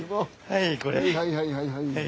はいはいはいはい。